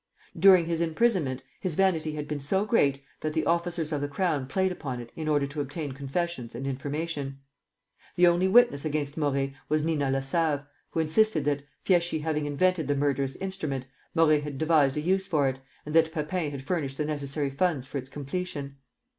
During his imprisonment his vanity had been so great that the officers of the Crown played upon it in order to obtain confessions and information. The only witness against Morey was Nina Lassave, who insisted that, Fieschi having invented the murderous instrument, Morey had devised a use for it, and that Pepin had furnished the necessary funds for its completion.